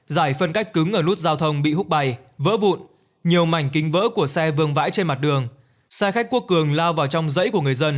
giải phân cách cứng ở lút giao thông bị hút bay vỡ vụn nhiều mảnh kính vỡ của xe vương vãi trên mặt đường